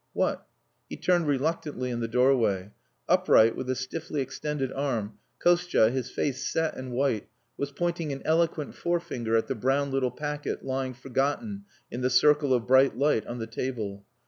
"What?" He turned reluctantly in the doorway. Upright, with a stiffly extended arm, Kostia, his face set and white, was pointing an eloquent forefinger at the brown little packet lying forgotten in the circle of bright light on the table.